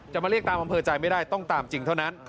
มาเรียกตามอำเภอใจไม่ได้ต้องตามจริงเท่านั้น